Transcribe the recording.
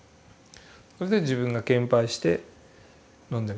それで自分が献杯して飲んで。